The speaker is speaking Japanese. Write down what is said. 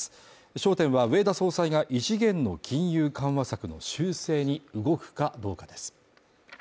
焦点は植田総裁が異次元の金融緩和策の修正に動くかどうかです